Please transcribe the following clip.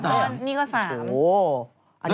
โอ้โหอันนี้น่าจะ